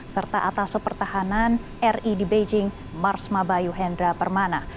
serta atas sepertahanan ri di beijing marsmabayu hendra permana